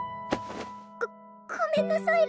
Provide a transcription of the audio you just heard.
ごごめんなさい